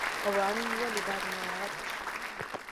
قانون ولې باید مراعات شي؟